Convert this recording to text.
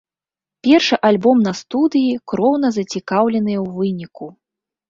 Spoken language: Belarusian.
Першы альбом на студыі, кроўна зацікаўленыя ў выніку.